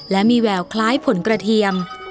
และมีแววคล้ายผลกระเทียม